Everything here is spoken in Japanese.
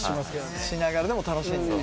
しながらでも楽しんでね。